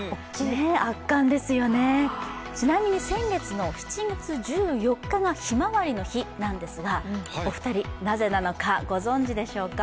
圧巻ですよね、ちなみに先月の７月１４日がひまわりの日なんですがお二人、なぜなのかご存じでしょうか。